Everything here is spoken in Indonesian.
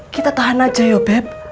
kita tahan aja yo beb